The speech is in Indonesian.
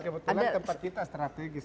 kebetulan tempat kita strategis